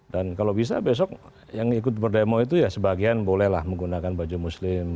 dan kalau bisa besok yang ikut berdemo itu ya sebagian bolehlah menggunakan baju muslim